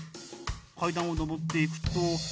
階段を上っていくと。